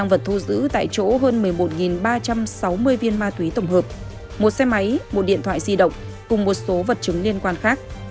vật thu giữ tại chỗ hơn một mươi một ba trăm sáu mươi viên ma túy tổng hợp một xe máy một điện thoại di động cùng một số vật chứng liên quan khác